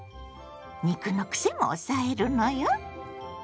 肉のクセも抑えるのよ。